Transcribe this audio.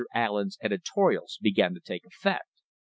Allen's editorials began to take effect.